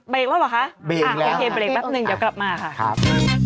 เบรกแล้วหรือคะอ่ะโอเคเบรกแป๊ปนึงจะกลับมาค่ะครับ